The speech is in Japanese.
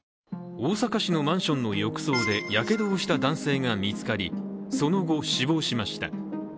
大阪市のマンションの浴槽でやけどをした男性が見つかり、その後死亡しました。